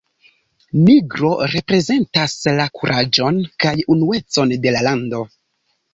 Nigro reprezentas la kuraĝon kaj unuecon de la lando.